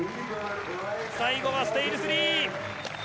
最後はステイル３６０。